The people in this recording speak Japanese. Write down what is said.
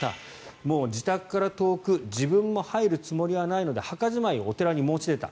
もう自宅から遠く自分も入るつもりはないので墓じまいをお寺に申し出た。